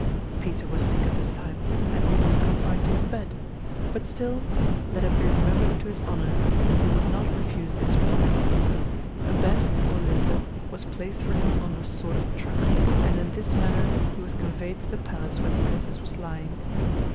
Peter was sick at this time, and almost confined to his bed; but still let it be remembered to his honor he would not refuse this request. A bed, or litter, was placed for him on a sort of truck, and in this manner he was conveyed to the palace where the princess was lying.